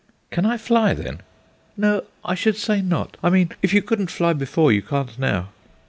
"Can I fly, then?" "No, I should say not; I mean, if you couldn't fly before, you can't now."